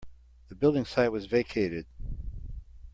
The building site was vacated.